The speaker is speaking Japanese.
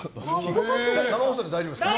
生放送で大丈夫ですか。